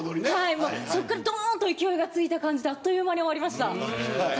そこからどーんと勢いがついた感じで、あっという間に終わりました。